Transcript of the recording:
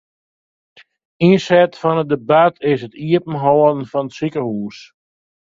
Ynset fan it debat is it iepenhâlden fan it sikehûs.